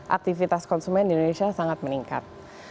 aktivitas konsumen di indonesia sangat meningkat